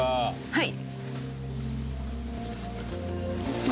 はい！